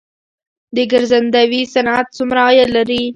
د ګرځندوی صنعت څومره عاید لري؟